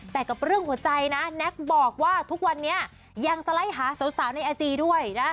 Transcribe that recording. แต่กับเรื่องหัวใจนะแน็กบอกว่าทุกวันนี้ยังสไลด์หาสาวในไอจีด้วยนะ